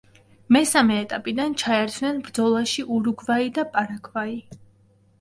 მესამე ეტაპიდან ჩაერთვნენ ბრძოლაში ურუგვაი და პარაგვაი.